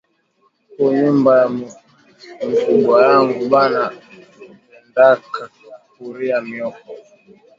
Ku nyumba ya mukubwa yangu bana pendaka kuria mioko